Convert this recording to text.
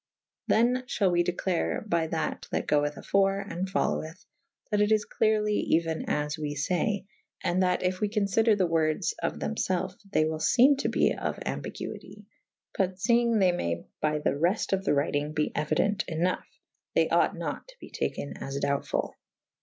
Than f hall we declare by that that goeth afore /& foloweth / that it is clerly euyn as we fay /& that yf we conf ider the wordes of the»z ielfe they wyl feme to be of ambiguite [F ii b] but feyng they may by tht reft of the writing be euident ynough / they ought nat to be taken as doubtfull.